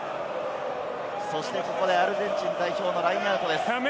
ここでアルゼンチン代表のラインアウトです。